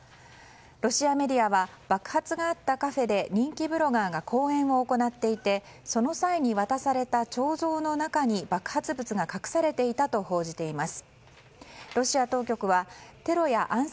ロシアメディアは爆発があったカフェで人気ブロガーが講演を行っていてその際に渡された彫像の中に爆発物が隠されていたと報じています。